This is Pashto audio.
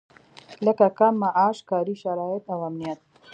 لکه کم معاش، کاري شرايط او امنيت.